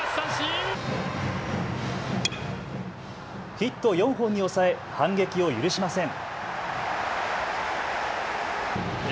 ヒット４本に抑え反撃を許しません。